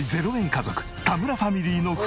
家族田村ファミリーの冬。